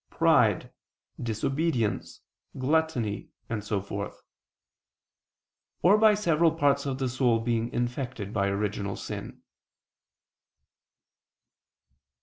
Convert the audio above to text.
pride, disobedience, gluttony, and so forth; or by several parts of the soul being infected by original sin.